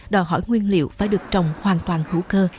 đòi hỏi nguyên liệu phải được trồng hoàn toàn hữu cơ